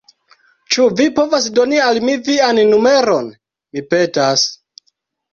Ĉu vi povas doni al mi vian numeron? Mi petas